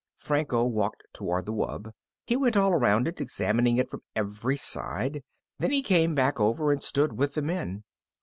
Franco walked toward the wub. He went all around it, examining it from every side. Then he came back over and stood with the men.